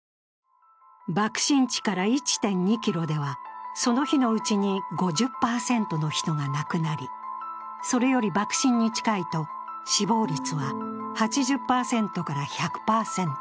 爆心地から１．２ｋｍでは、その日のうちに５０％の人が亡くなり、それより爆心に近いと死亡率が８０％から１００％。